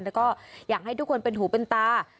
แล้วก็อยากให้ทุกคนเป็นหูเป็นตา